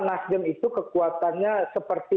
nasden itu kekuatannya seperti